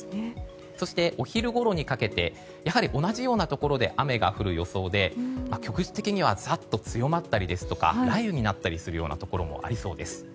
そして、お昼ごろにかけて同じようなところで雨が降る予想で局地的には強まったりとか雷雨になったりするようなところもありそうです。